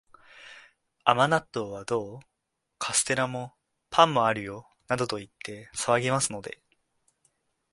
甘納豆はどう？カステラも、パンもあるよ、などと言って騒ぎますので、